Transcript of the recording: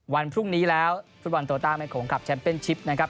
วันพรุ่งนี้แล้วฟุตวันตัวตามให้โขงคลับแชมป์เป็นชิปนะครับ